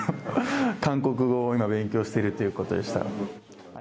韓国語を今、勉強しているということでした。